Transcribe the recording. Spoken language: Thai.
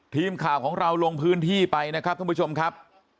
ทีมข่าวของเราลงพื้นที่ไปนะครับท่านผู้ชมครับ